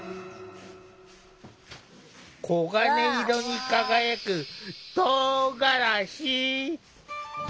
黄金色に輝くとうがらし！